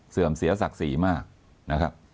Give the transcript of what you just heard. เสียศักดิ์ศรีมากนะครับ